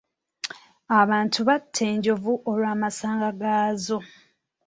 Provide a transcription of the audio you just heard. Abantu batta enjovu olw'amasanga gaazo.